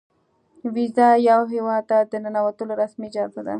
ویزه یو هیواد ته د ننوتو رسمي اجازه ده.